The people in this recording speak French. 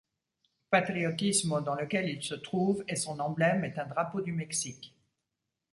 Patriotismo dans lequel il se trouve et son emblème est un drapeau du Mexique.